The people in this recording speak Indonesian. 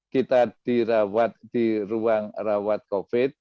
kita dirawat di ruang rawat covid sembilan belas